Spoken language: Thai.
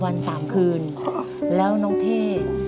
ทำงานชื่อนางหยาดฝนภูมิสุขอายุ๕๔ปี